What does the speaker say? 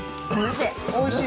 おいしい。